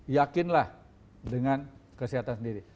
yakinlah dengan kesehatan sendiri